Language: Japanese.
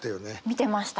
見てました。